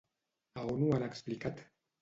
A on ho han explicat?